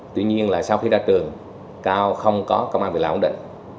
tuy nhiên là sau khi ra trường cao không có công an về lão ổn định